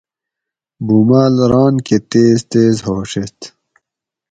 بومال ران کہ تیز تیز ھوڛیت